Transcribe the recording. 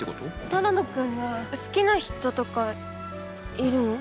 只野くんは好きな人とかいるの？